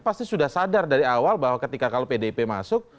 pasti sudah sadar dari awal bahwa ketika kalau pdip masuk